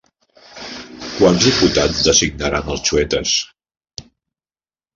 Quants diputats designaren els xuetes?